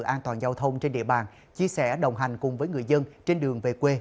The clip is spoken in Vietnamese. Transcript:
an toàn giao thông trên địa bàn chia sẻ đồng hành cùng với người dân trên đường về quê